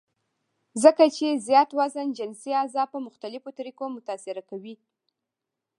ځکه چې زيات وزن جنسي اعضاء پۀ مختلفوطريقو متاثره کوي -